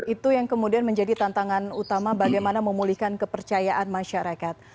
itu yang kemudian menjadi tantangan utama bagaimana memulihkan kepercayaan masyarakat